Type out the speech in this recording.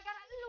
kenapa ga trov